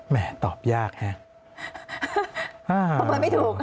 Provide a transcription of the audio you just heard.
แหมตอบยากนะประเมินไม่ถูก